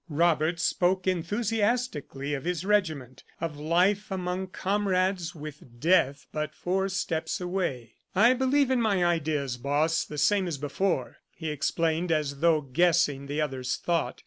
Robert spoke enthusiastically of his regiment, of life among comrades with Death but four steps away. "I believe in my ideas, Boss, the same as before," he explained as though guessing the other's thought.